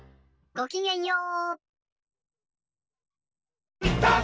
ごきげんよう！